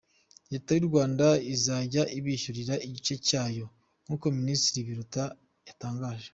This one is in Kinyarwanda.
Leta y’u Rwanda izajya ibishyurira igice cyayo, nk’uko Ministiri Biruta yatangaje.